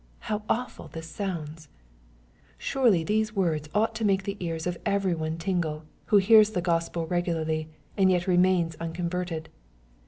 How awful this lounds 1 Surely these words ought to make the ears of every one tingle, who hears the Gospel regularly, and yet remains unconverted.